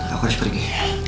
aku harus pergi